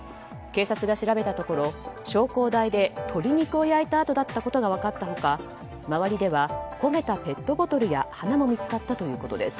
警察が調べたところ、焼香台で鶏肉を焼いた跡だったことが分かった他周りでは焦げたペットボトルや花も見つかったということです。